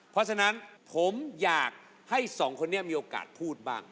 เพราะฉะนั้นผมอยากให้สองคนนี้มีโอกาสพูดบ้าง